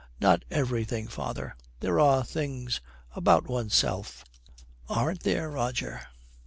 'Not everything, father. There are things about oneself ' 'Aren't there, Roger!'